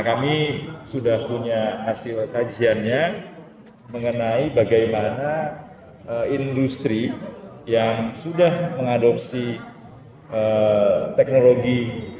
kami sudah punya hasil kajiannya mengenai bagaimana industri yang sudah mengadopsi teknologi